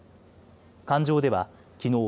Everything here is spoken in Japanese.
艦上ではきのう